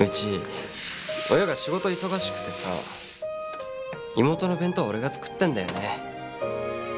うち親が仕事忙しくてさ妹の弁当俺が作ってんだよね。